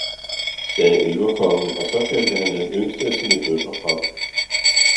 sagde elverkongen og så kaldte han den yngste af sine døtre frem.